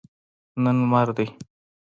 نن لمر دی